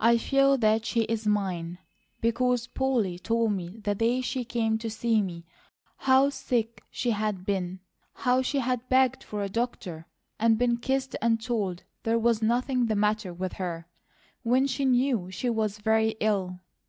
I feel that she is mine, because Polly told me the day she came to see me how sick she had been, how she had begged for a doctor, and been kissed and told there was nothing the matter with her, when she knew she was very ill.